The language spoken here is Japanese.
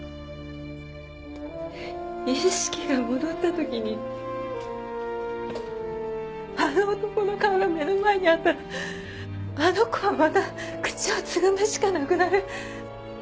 意識が戻った時にあの男の顔が目の前にあったらあの子はまた口をつぐむしかなくなる。